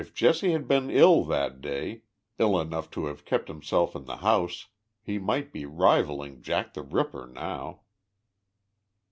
If Jesse had been ill that day — ill enough to have kept himself in the house — he might be rivaling Jack the Ripper now.